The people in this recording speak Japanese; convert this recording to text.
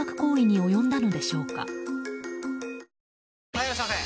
・はいいらっしゃいませ！